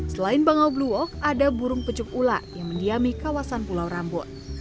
selain bangau blue walk ada burung pecuk ular yang mendiami kawasan pulau rambut